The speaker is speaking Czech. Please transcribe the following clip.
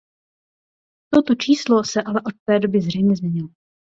Toto číslo se ale od té doby zřejmě změnilo.